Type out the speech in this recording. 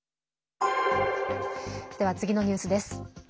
では、次のニュースです。